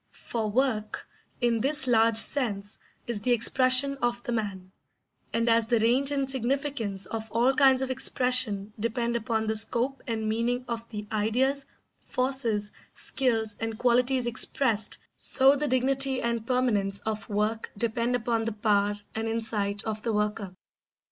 For work, in this large sense, is the expression of the man; and as the range and significance of all kinds of expression depend upon the scope and meaning of the ideas, forces, skills, and qualities expressed, so the dignity and permanence of work depend upon the power and insight of the worker.